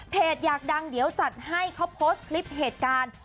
อยากดังเดี๋ยวจัดให้เขาโพสต์คลิปเหตุการณ์